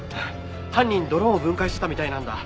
犯人ドローンを分解してたみたいなんだ。